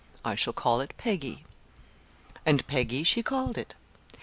I shall call it 'Peggy.'" And "Peggy" she called it.